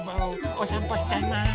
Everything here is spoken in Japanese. おさんぽしちゃいます。